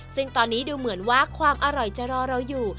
ซึ่งตอนนี้ดูเหมือนว่าความอร่อยจะรอเราอยู่